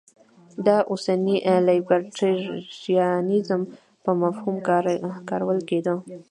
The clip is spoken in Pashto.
دا اوسني لیبرټریانیزم په مفهوم کارول کېده.